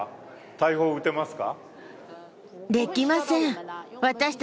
大砲、撃てますか？